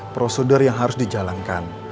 prosedur yang harus dijalankan